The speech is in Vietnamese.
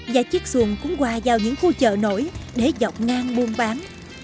và chiếc xuồng cũng qua vào những khu chợ nổi để dọc ngang buôn bán